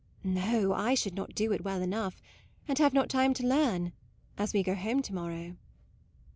" No, I should not do it well enough, and have not time to learn, as we go home to morrow.